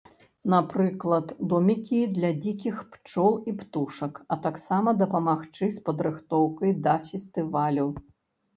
Напрыклад, домікі для дзікіх пчол і птушак, а таксама дапамагчы з падрыхтоўкай да фестывалю.